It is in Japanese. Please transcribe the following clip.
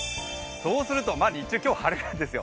そうすると日中、今日は晴れるんですよ、